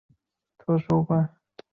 布目站。